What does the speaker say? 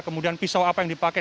kemudian pisau apa yang dipakai